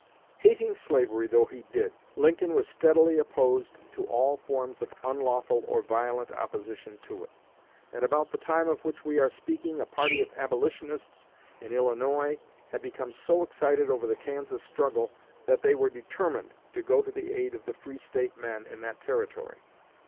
Hating slavery though he did, Lincoln was steadily opposed to all forms of unlawful or violent opposition to it. At about the time of which we are speaking a party of Abolitionists in Illinois had become so excited over the Kansas struggle that they were determined to go to the aid of the Free State men in that territory.